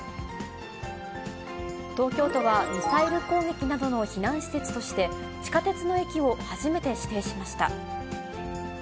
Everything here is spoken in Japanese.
東京都は、ミサイル攻撃などの避難施設として、地下鉄の駅を初めて指定しました。